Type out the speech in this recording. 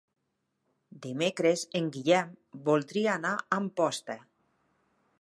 Dimecres en Guillem voldria anar a Amposta.